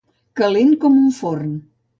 Calent com un forn.